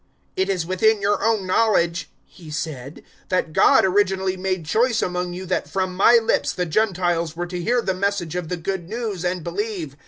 "It is within your own knowledge," he said, "that God originally made choice among you that from my lips the Gentiles were to hear the Message of the Good News, and believe.